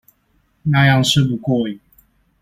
那樣吃不過癮